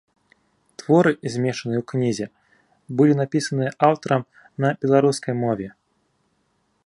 Творы, змешчаныя ў кнізе, былі напісаныя аўтарам на беларускай мове.